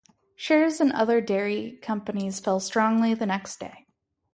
Shares in other dairy companies fell strongly the next day.